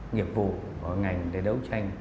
nghiệp vụ của ngành để đấu tranh